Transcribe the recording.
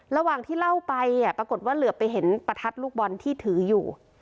ระหว่างที่เล่าไปปรากฏว่าเหลือไปเห็นประทัดลูกบอลที่ถืออยู่